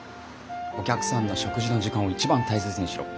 「お客さんの食事の時間を一番大切にしろ。